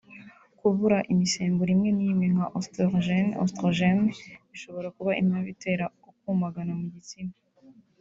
Kubura imisemburo imwe n’imwe nka Ositorojene (oestrogènes) bishobora kuba impamvu itera ukumagara mu gitsina